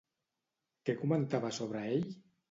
Què comentava sobre ell?